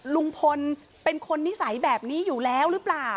ลุงพลเป็นคนนิสัยแบบนี้อยู่แล้วหรือเปล่า